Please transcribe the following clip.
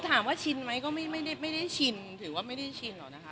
ถามว่าชินไหมก็ไม่ได้ชินถือว่าไม่ได้ชินหรอกนะคะ